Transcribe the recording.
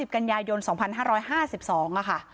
๓๐กัญญายน๒๕๕๒อ่ะค่ะ